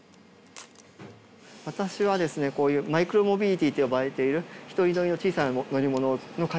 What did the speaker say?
私はですねこういうマイクロモビリティと呼ばれている１人乗りの小さな乗り物の開発をやっている